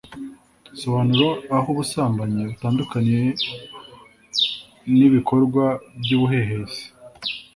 sobanura aho ubusambanyi butandukaniye n’ibikorwa by’ubuhehesi?